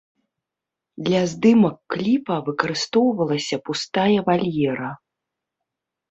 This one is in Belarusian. Для здымак кліпа выкарыстоўвалася пустая вальера.